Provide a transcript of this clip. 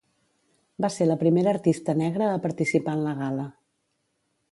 Va ser la primera artista negra a participar en la gala.